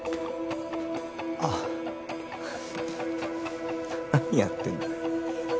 あッ何やってんだよ